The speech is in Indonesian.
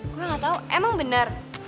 gue gak tau emang benar